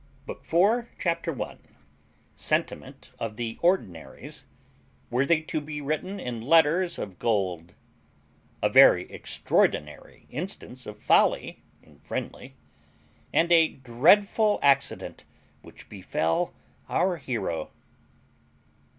BOOK IV CHAPTER ONE SENTIMENT OF THE ORDINARY'S, WORTHY TO BE WRITTEN IN LETTERS OF GOLD; A VERY EXTRAORDINARY INSTANCE OF FOLLY IN FRIENDLY, AND A DREADFUL ACCIDENT WHICH BEFEL OUR HERO.